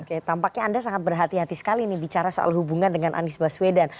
oke tampaknya anda sangat berhati hati sekali nih bicara soal hubungan dengan anies baswedan